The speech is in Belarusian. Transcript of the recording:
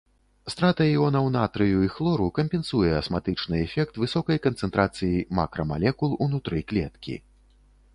Страта іонаў натрыю і хлору кампенсуе асматычны эфект высокай канцэнтрацыі макрамалекул унутры клеткі.